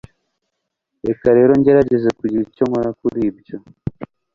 Reka rero ngerageze kugira icyo nkora kuri ibyo